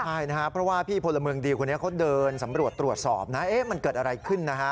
ใช่นะครับเพราะว่าพี่พลเมืองดีคนนี้เขาเดินสำรวจตรวจสอบนะมันเกิดอะไรขึ้นนะฮะ